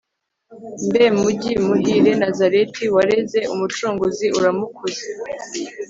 mbe mujyi muhire nazareti, wareze umucunguzi uramukuza